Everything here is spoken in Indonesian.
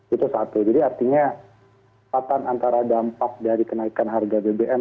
itu satu jadi artinya patan antara dampak dari kenaikan harga bbm